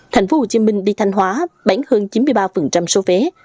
tp hcm đi thanh hóa bán hơn chín mươi ba số vé